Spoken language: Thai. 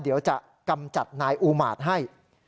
เดี๋ยวจะกำจัดนายอูมาตรให้